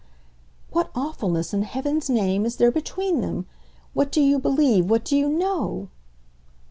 "What awfulness, in heaven's name, is there between them? What do you believe, what do you KNOW?"